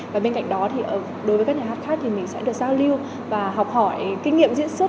và bên cạnh đó thì đối với các nhà hát khác thì mình sẽ được giao lưu và học hỏi kinh nghiệm diễn xuất